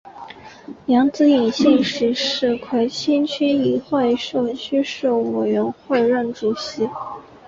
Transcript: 梁子颖现时是葵青区议会社区事务委员会任主席。